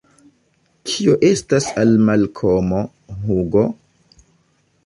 Kio estas al Malkomo, Hugo?